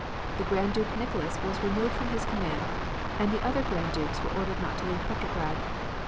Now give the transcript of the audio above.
The Grand Duke Nicholas was removed from his command and the other Grand Dukes were ordered not to leave Petrograd.